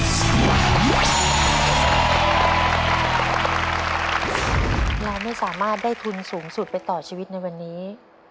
เราไม่สามารถได้ทุนสูงสุดไปต่อชีวิตในวันนี้